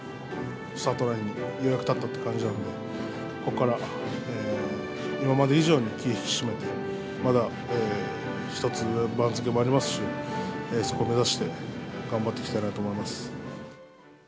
スタートラインにようやく立ったっていう感じなので、ここから今まで以上に気を引き締めて、まだ一つ上の番付もありますし、そこを目指して頑張っていきたいなと思います。